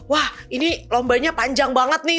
wah ini lombanya panjang banget nih